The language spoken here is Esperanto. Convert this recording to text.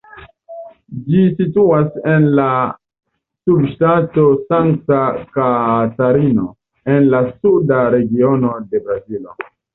Ĝi situas en la subŝtato Sankta Katarino, en la suda regiono de Brazilo.